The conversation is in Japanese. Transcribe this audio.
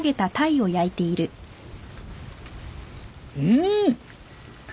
うん！